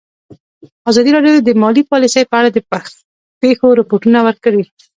ازادي راډیو د مالي پالیسي په اړه د پېښو رپوټونه ورکړي.